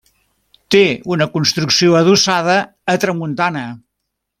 Té una construcció adossada a tramuntana.